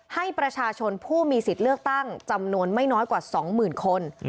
ให้ประชาชนผู้มีสิทธิ์เลือกตั้งจำนวนไม่น้อยกว่า๒๐๐๐คน